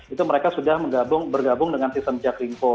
itu mereka sudah bergabung dengan sistem jaklingko